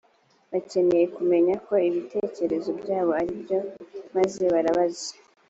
bakenera kumenya ko ibitekerezo byabo aribyo maze barabaza